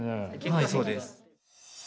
はいそうです。